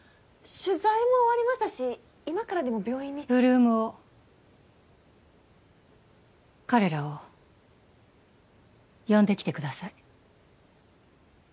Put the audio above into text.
取材も終わりましたし今からでも病院に８ＬＯＯＭを彼らを呼んできてください